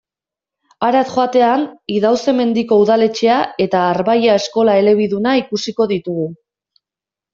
Harat joatean, Idauze-Mendiko udaletxea eta Arbailla eskola elebiduna ikusiko ditugu.